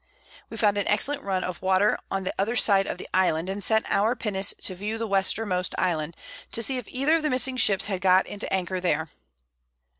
We found an excellent Run of Water on the other side of the Island, and sent our Pinnace to view the Westermost Island, to see if either of the missing Ships had got into Anchor here.